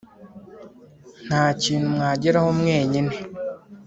nta kintu mwageraho mwenyine;